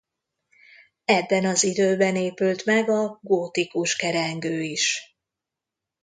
Ebben az időben épült meg a gótikus kerengő is.